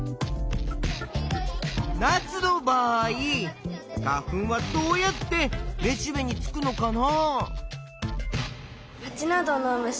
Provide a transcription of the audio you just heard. ナスの場合花粉はどうやってめしべにつくのかな？